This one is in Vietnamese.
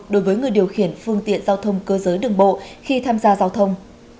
đối với người điều khiển phương tiện giao thông cơ giới đường bộ khi tham gia giao thông